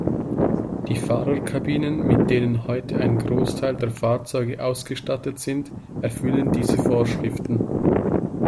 Die Fahrerkabinen, mit denen heute ein Großteil der Fahrzeuge ausgestattet sind, erfüllen diese Vorschriften.